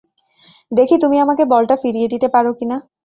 দেখি তুমি আমাকে বলটা ফিরিয়ে দিতে পারো কি-না!